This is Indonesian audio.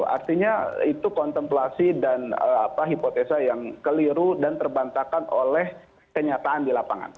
artinya itu kontemplasi dan hipotesa yang keliru dan terbantakan oleh kenyataan di lapangan